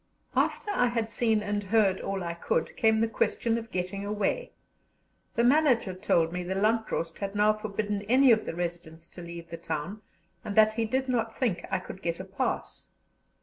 After I had seen and heard all I could, came the question of getting away. The manager told me the Landrost had now forbidden any of the residents to leave the town, and that he did not think I could get a pass.